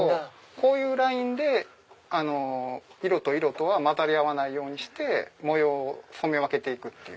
こういうラインで色と色とが混ざり合わないようにして模様を染め分けて行くっていう。